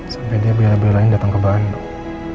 sampai dia bela belain datang ke bandung